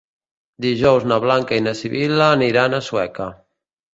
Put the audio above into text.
Dijous na Blanca i na Sibil·la aniran a Sueca.